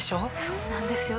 そうなんですよね。